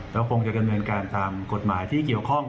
ก็คงจะดำเนินการตามกฎหมายที่เกี่ยวข้อง